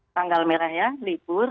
tanggal merahnya libur